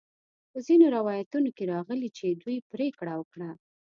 په ځینو روایتونو کې راغلي چې دوی پریکړه وکړه.